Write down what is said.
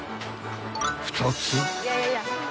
［２つ］